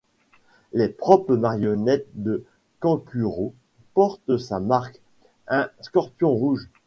Les propres marionnettes de Kankuro portent sa marque, un scorpion rouge.